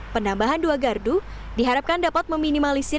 penambahan dua gardu diharapkan dapat meminimalisir